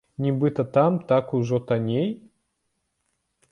Нібыта там так ужо танней?